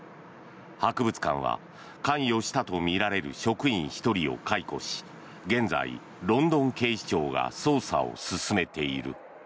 博物館は関与したとみられる職員１人を解雇し現在、ロンドン警視庁が捜査を進めている。